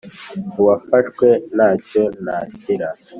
uwafashwe na cyo ntakira